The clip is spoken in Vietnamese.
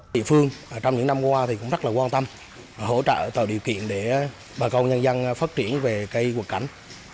địa phương trong những năm qua thì cũng rất là quan tâm hỗ trợ tạo điều kiện để bà cầu nhân dân phát triển về cây quất cảnh